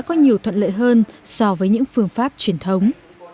có nhiều thuận lợi hơn so với những phương pháp truyền thống